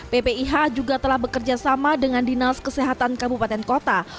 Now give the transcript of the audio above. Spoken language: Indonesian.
ppih juga telah bekerjasama dengan dinas kesehatan kabupaten kota